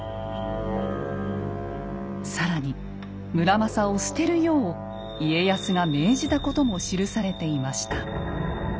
更に村正を棄てるよう家康が命じたことも記されていました。